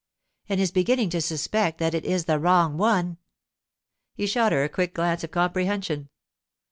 'And is beginning to suspect that it is the wrong one.' He shot her a quick glance of comprehension.